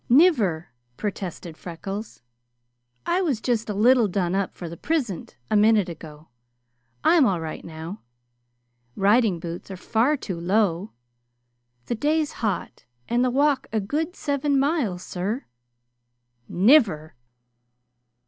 "Niver!" protested Freckles. "I was just a little done up for the prisint, a minute ago. I'm all right now. Riding boots are far too low. The day's hot and the walk a good seven miles, sir. Niver!"